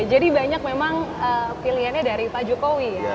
jadi banyak memang pilihannya dari pak jokowi ya